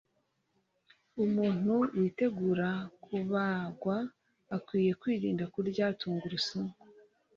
Umuntu witegura kubagwa akwiye kwirinda kurya tungurusmu